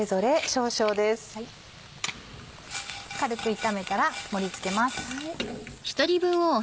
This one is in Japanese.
軽く炒めたら盛り付けます。